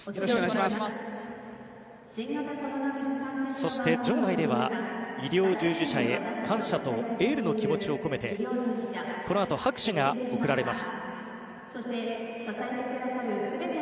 そして、場内では医療従事者へ感謝とエールの気持ちを込めてこのあと拍手が送られます。